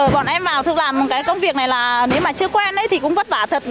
bọn em vào thường làm một cái công việc này là nếu mà chưa quen thì cũng vất vả thật